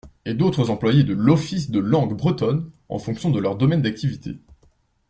Et d’autres employés de l’Office de la Langue Bretonne, en fonction de leur domaine d’activité.